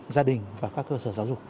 gia đình và các cơ sở giáo dục